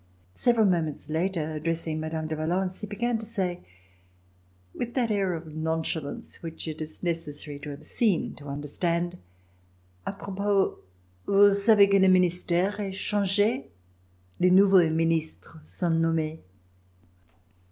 Several moments later, addressing Mme. de Valence, he began to say with that air of nonchalance which it is necessary to have seen to understand : "A propos, vous savez que Ic ministere est change; Ics nouveaux ministres sont nommes."